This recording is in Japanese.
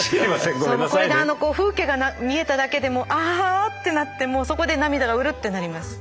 これであの風景が見えただけでもあってなってもうそこで涙がウルッてなります。